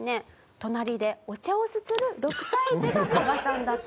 隣でお茶をすする６歳児が加賀さんだったと。